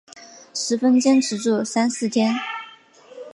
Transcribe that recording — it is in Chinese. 十分坚持住三四天